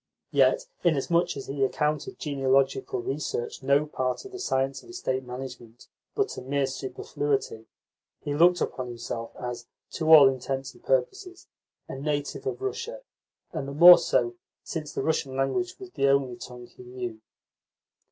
Yet, inasmuch as he accounted genealogical research no part of the science of estate management, but a mere superfluity, he looked upon himself as, to all intents and purposes, a native of Russia, and the more so since the Russian language was the only tongue he knew.